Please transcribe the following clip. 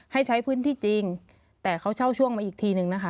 ให้ใช้พื้นที่จริงแต่เขาเช่าช่วงมาอีกทีนึงนะคะ